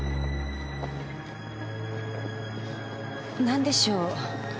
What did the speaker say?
何でしょう？